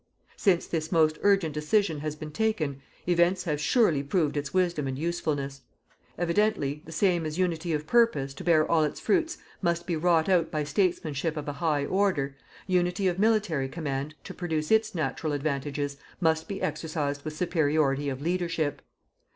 Since this most urgent decision has been taken, events have surely proved its wisdom and usefulness. Evidently, the same as unity of purpose, to bear all its fruits, must be wrought out by statesmanship of a high order, unity of military command, to produce its natural advantages, must be exercised with superiority of leadership.